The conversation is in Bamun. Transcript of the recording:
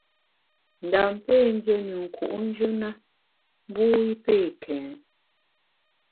Ndam pé ndié ne nku’njù na mbu i pé kèn.